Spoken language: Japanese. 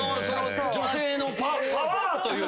女性のパワーというか。